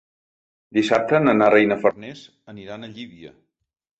Dissabte na Lara i na Farners aniran a Llívia.